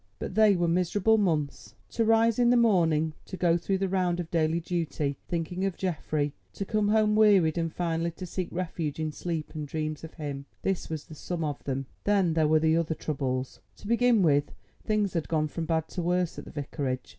But they were miserable months. To rise in the morning, to go through the round of daily duty—thinking of Geoffrey; to come home wearied, and finally to seek refuge in sleep and dreams of him—this was the sum of them. Then there were other troubles. To begin with, things had gone from bad to worse at the Vicarage.